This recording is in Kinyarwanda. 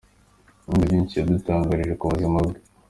Nibindi byinshi yadutangarije ku buzima bwe.